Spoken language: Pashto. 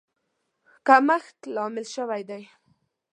کمښت لامل شوی دی.